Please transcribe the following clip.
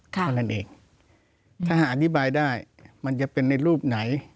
เท่านั้นเองถ้าอธิบายได้มันจะเป็นในรูปไหน